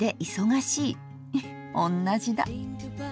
フッおんなじだ。